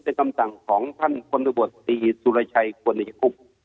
เป็นคำสั่งของท่านควรรบสุรชัยควรอยคุม